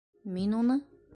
Мин уны...